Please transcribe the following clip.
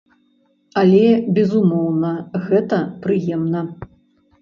Але, безумоўна, гэта прыемна!